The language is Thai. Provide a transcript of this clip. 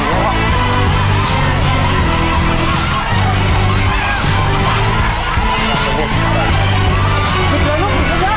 จับมืออยู่ที่เยอะล่ะลูกไฟ